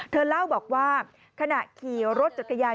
เธอเล่าบอกว่าขณะขี่รถจักรยาน